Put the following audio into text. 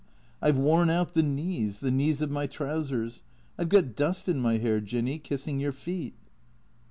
I've worn out the knees, the knees of my trousers; I've got dust in my hair, Jinny, kissing your feet."